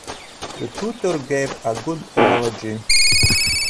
The tutor gave a good analogy.